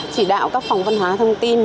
chỉ đạo các phòng văn hóa thông tin